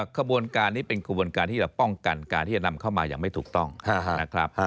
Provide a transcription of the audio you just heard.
ขบวนการนี้เป็นขบวนการที่เราป้องกันการที่จะนำเข้ามาอย่างไม่ถูกต้องนะครับ